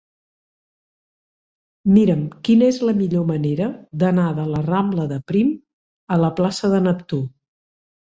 Mira'm quina és la millor manera d'anar de la rambla de Prim a la plaça de Neptú.